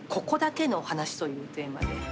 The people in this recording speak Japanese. ここだけの話」というテーマで。